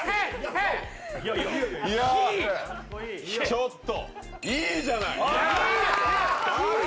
ちょっと、いいじゃない！